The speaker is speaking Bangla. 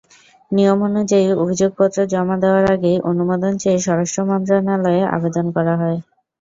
নিয়মানুযায়ী অভিযোগপত্র জমা দেওয়ার আগেই অনুমোদন চেয়ে স্বরাষ্ট্র মন্ত্রণালয়ে আবেদন করা হয়।